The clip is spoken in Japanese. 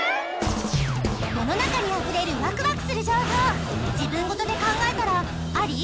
世の中にあふれるワクワクする情報自分事で考えたらあり？